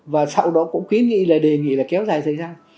và sau đó cũng ký nghĩ là đề nghị là kéo dài thời gian